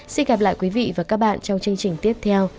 xin gặp lại quý vị và các bạn trong chương trình tiếp theo